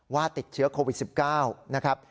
ว่าติดเชื้อโควิด๑๙นะครับ